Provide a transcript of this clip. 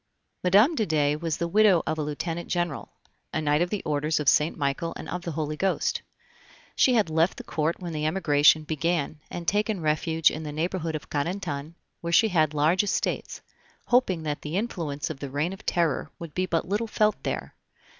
Mme. de Dey was the widow of a Lieutenant General, a Knight of the Orders of Saint Michael and of the Holy Ghost. She had left the Court when the Emigration began, and taken refuge in the neighborhood of Carentan, where she had large estates, hoping that the influence of the Reign of Terror would be but little felt there.